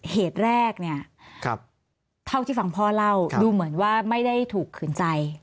เหตุแรกเนี่ยเท่าที่ฟังพ่อเล่าดูเหมือนว่าไม่ได้ถูกขืนใจ